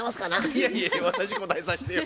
いやいや私答えさしてよ。